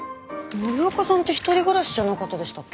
森若さんって１人暮らしじゃなかったでしたっけ？